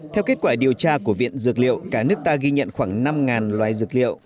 theo kết quả điều tra của viện dược liệu cả nước ta ghi nhận khoảng năm loài dược liệu